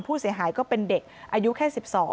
ผู้เสียหายก็เป็นเด็กอายุแค่๑๒